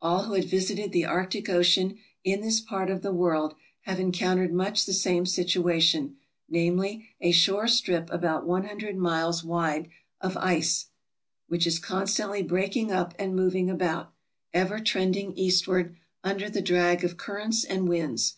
All who have visited the Arctic Ocean in this part of the world have encountered much the same situation; namely, a shore strip about 100 miles wide of ice which is constantly breaking up and moving about, ever trending eastward, under the drag of currents and winds.